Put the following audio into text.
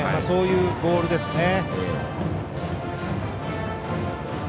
そういうボールですね。